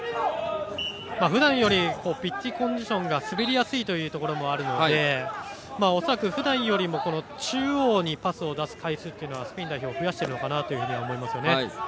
ふだんよりピッチコンディションが滑りやすいというところもあるので恐らくふだんよりも中央にパスを出す回数がスペイン代表増やしているかなと思いますよね。